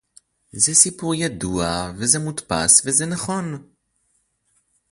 זה סיפור ידוע וזה מודפס וזה נכון